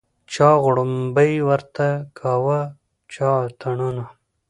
چا غړومبی ورته کاوه چا اتڼونه